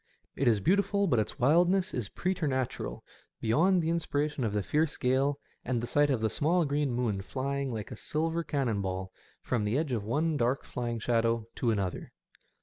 It is beautiful, but its wildness is preternatural, beyond the inspiration of the fierce gale and the sight of the small green moon flying like a silver cannon ball from the edge of one dark flying shadow to another.